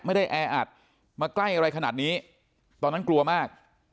แออัดมาใกล้อะไรขนาดนี้ตอนนั้นกลัวมาก